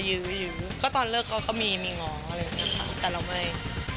ยื้อค่ะยื้อก็ตอนเลิกเขาก็มีมีหงอเลยนะคะแต่เราไม่